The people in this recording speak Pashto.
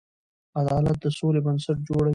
عدالت د سولې بنسټ جوړوي.